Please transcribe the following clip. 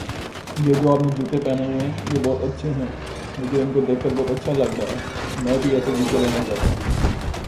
In Asia, the Pala Empire is founded in Bengal.